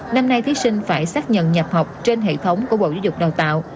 năm nay thí sinh phải xác nhận nhập học trên hệ thống của bộ giáo dục đào tạo